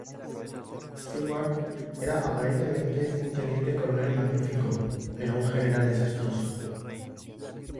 Stewart era aparentemente un Teniente Coronel magnífico, pero un General desastroso.